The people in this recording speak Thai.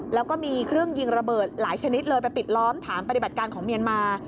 แล้วก็มีเครื่องยิงระเบิดหลายชนิดเลยไปปิดล้อมฐานปฏิบัติการของเมียนมา